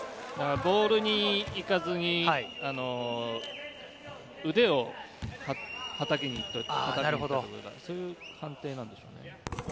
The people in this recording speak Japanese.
ボールに行かずに腕をはたきに行くという判定なんでしょうね。